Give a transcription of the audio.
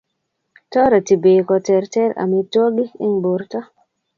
Toreti beek koterter amitwogik eng' borto.